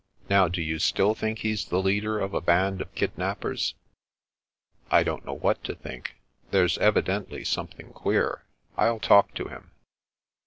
Now, do you still think he's the leader of a band of kid nappers ?"" I don't know what to think. There's evidently something queer. I'll talk to him."